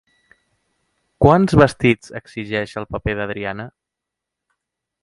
Quants vestits exigeix el paper d'Adriana?